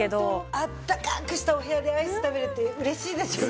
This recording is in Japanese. あったかくしたお部屋でアイス食べるって嬉しいですよね。